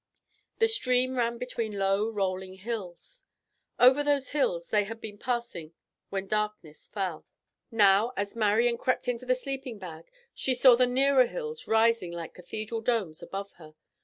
The stream ran between low, rolling hills. Over those hills they had been passing when darkness fell. Now, as Marian crept into the sleeping bag, she saw the nearer hills rising like cathedral domes above her.